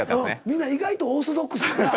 みんな意外とオーソドックスやな。